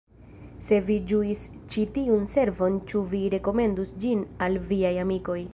Se vi ĝuis ĉi tiun servon ĉu vi rekomendus ĝin al viaj amikoj!